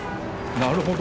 なるほど。